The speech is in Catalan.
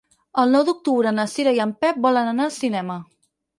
El nou d'octubre na Cira i en Pep volen anar al cinema.